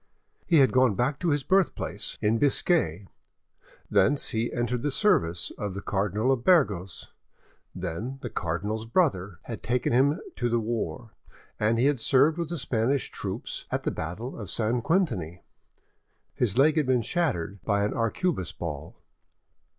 He had gone back to his birthplace, in Biscay; thence he entered the service of the Cardinal of Burgos; then the cardinal's brother had taken him to the war, and he had served with the Spanish troops; at the battle of St. Quentiny—his leg had been shattered by an arquebus ball.